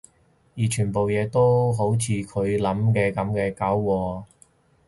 而全部嘢都好似佢諗嘅噉搞禍晒